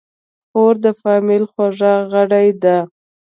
خور د فامیل خوږه غړي ده.